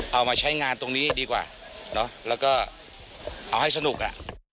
เอามาใช้งานตรงนี้ดีกว่าเนอะแล้วก็เอาให้สนุกอ่ะ